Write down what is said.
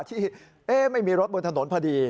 ที่ไม่มีรถบนถนนพอดี